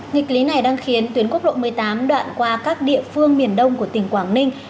nghịch lý này đang khiến tuyến quốc lộ một mươi tám đoạn qua các địa phương miền đông của tỉnh quảng ninh